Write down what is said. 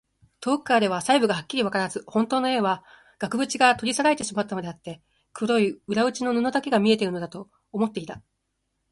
遠くからでは細部がはっきりわからず、ほんとうの絵は額ぶちから取り去られてしまったのであって、黒い裏打ちの布だけが見えているのだ、と思っていた。